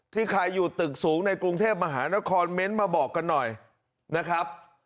ใครอยู่ตึกสูงในกรุงเทพมหานครเม้นต์มาบอกกันหน่อยนะครับ